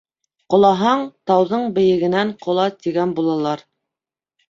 Ҡолаһаң, тауҙың бейегенән ҡола, тигән булалар.